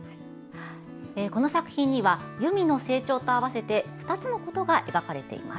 この作品には由実の成長に合わせて２つのことが描かれています。